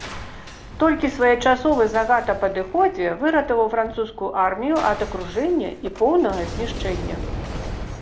Толькі своечасовы загад аб адыходзе выратаваў французскую армію ад акружэння і поўнага знішчэння.